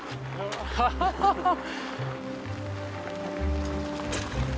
ハハハハッ！